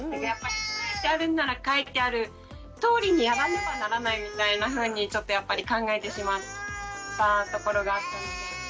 書いてあるなら書いてあるとおりにやらねばならないみたいなふうにちょっとやっぱり考えてしまったところがあったので。